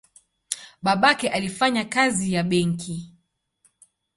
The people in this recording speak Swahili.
Babake alifanya kazi ya benki.